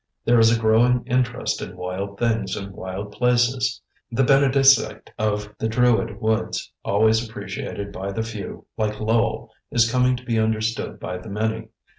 There is a growing interest in wild things and wild places. The benedicite of the Druid woods, always appreciated by the few, like Lowell, is coming to be understood by the many.